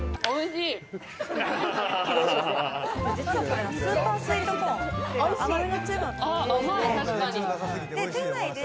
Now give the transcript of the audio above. おいしい。